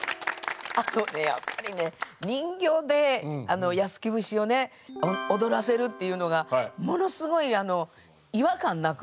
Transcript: やっぱりね人形で「安来節」をね踊らせるっていうのがものすごい違和感なく。